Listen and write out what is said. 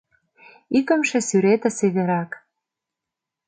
Икымше сӱретысе верак.